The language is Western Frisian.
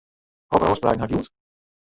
Hokker ôfspraken haw ik hjoed?